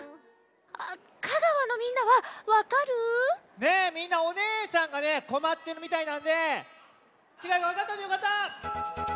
香川のみんなはわかる？ねえみんなおねえさんがこまってるみたいなんでちがいがわかったというかた！